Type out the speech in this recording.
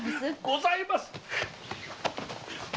ございます！